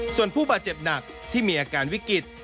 ส่วนผู้บาดเจ็บหนักที่มีอาการวิกฤต